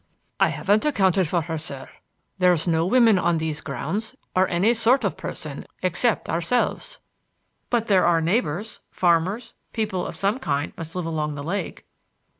"I haven't accounted for her, sir. There's no women on these grounds, or any sort of person except ourselves." "But there are neighbors,—farmers, people of some kind must live along the lake."